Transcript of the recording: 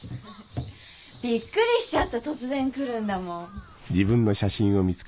びっくりしちゃった突然来るんだもん。